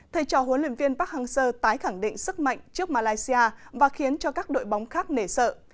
thầy trò huấn luyện viên park hang seo tái khẳng định sức mạnh trước malaysia và khiến cho các đội bóng khác nể sợ